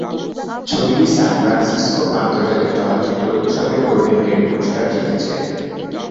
ছবিটি San Francisco আন্তর্জাতিক চলচ্চিত্র উৎসবে গোল্ডেন গেট পুরস্কার জিতেছে।